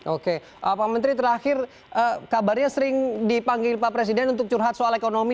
oke pak menteri terakhir kabarnya sering dipanggil pak presiden untuk curhat soal ekonomi